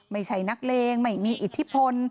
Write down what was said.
ไม่ใช่นักเลงไม่มีอิทธิพล